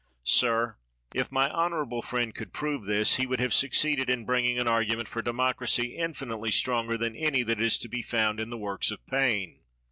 Sir, if my honorable friend could prove this, he would have succeeded in bringing an argument for democracy infinitely stronger than any that is to be found in the works of Paine.